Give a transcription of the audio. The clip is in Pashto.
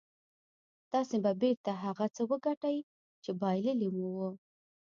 تاسې به بېرته هغه څه وګټئ چې بايللي مو وو.